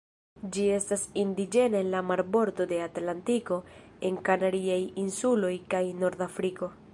Ĝi estas indiĝena en la marbordo de Atlantiko en Kanariaj insuloj kaj Nordafriko.